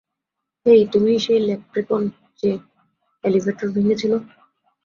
হেই, তুমিই সেই ল্যাপ্রেকন যে এলিভেটর ভেঙ্গেছিল।